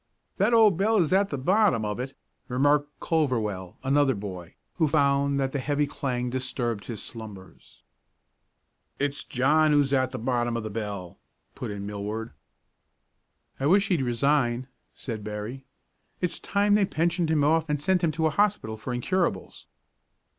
"That old bell is at the bottom of it," remarked Culverwell, another boy, who found that the heavy clang disturbed his slumbers. "It's John who's at the bottom of the bell," put in Millward. "I wish he'd resign," said Berry. "It's time they pensioned him off and sent him to a hospital for incurables."